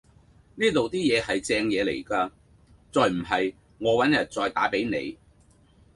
呢度啲嘢係正野嚟㗎，再唔係我搵日再打俾你